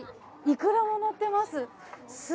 いくらものっています。